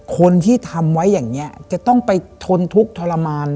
คนที่ทำไว้อย่างนี้จะต้องไปทนทุกข์ทรมาน